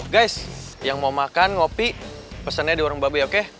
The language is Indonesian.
guys yang mau makan ngopi pesannya di warung babi oke